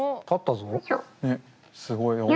すごい。